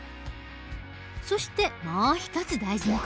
そしてもう一つ大事な事。